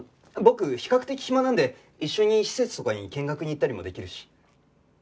僕比較的暇なんで一緒に施設とかに見学に行ったりもできるし。